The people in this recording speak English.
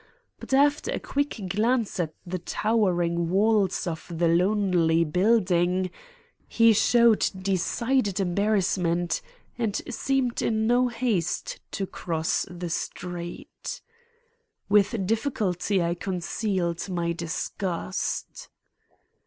But after a quick glance at the towering walls of the lonely building, he showed decided embarrassment and seemed in no haste to cross the street. With difficulty I concealed my disgust.